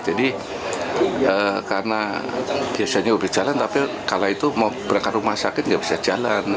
jadi karena biasanya udah jalan tapi kalau itu mau berangkat rumah sakit nggak bisa jalan